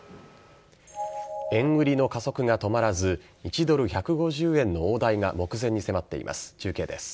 円売りの加速が止まらず１ドル１５０円の大台が目前に迫っています。